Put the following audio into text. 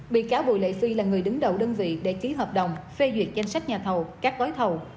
bị cáo bùi lệ phi là người đứng đầu đơn vị để ký hợp đồng phê duyệt danh sách nhà thầu các gói thầu